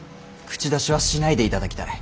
口出しはしないでいただきたい。